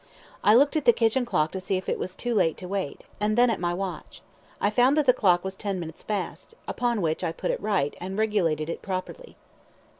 I looked at the kitchen clock to see if it was too late to wait, and then at my watch. I found that the clock was ten minutes fast, upon which I put it right, and regulated it properly.